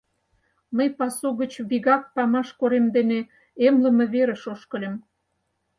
Мый пасу гыч вигак памаш корем дене эмлыме верыш ошкыльым...